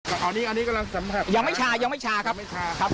อันนี้อันนี้กำลังสัมผัสยังไม่ชายังไม่ชาครับไม่ชาครับ